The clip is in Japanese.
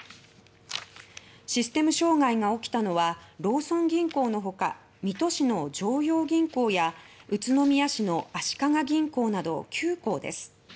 システム障害が起きたのはローソン銀行のほか水戸市の常陽銀行や宇都宮市の足利銀行など９行です。